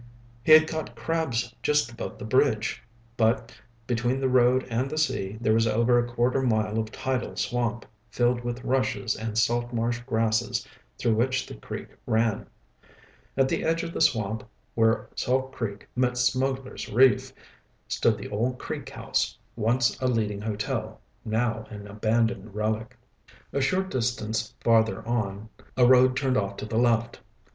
He had caught crabs just above the bridge. But between the road and the sea there was over a quarter mile of tidal swamp, filled with rushes and salt marsh grasses through which the creek ran. At the edge of the swamp where Salt Creek met Smugglers' Reef stood the old Creek House, once a leading hotel, now an abandoned relic. A short distance farther on, a road turned off to the left.